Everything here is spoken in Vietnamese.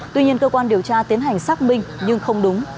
tuy nhiên cơ quan điều tra tiến hành xác minh nhưng không đúng